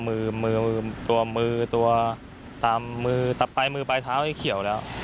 แล้วก็มือตัวตามมือตับไปมือปลายเท้าให้เขียวแล้ว